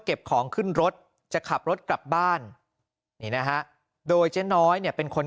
เก็บของขึ้นรถจะขับรถกลับบ้านนี่นะฮะโดยเจ๊น้อยเนี่ยเป็นคน